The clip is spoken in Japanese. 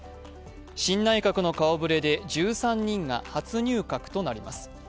新内閣の顔ぶれで１３人が初入閣となります。